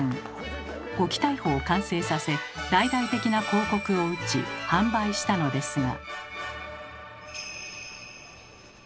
「ゴキ逮捕！」を完成させ大々的な広告を打ち販売したのですが。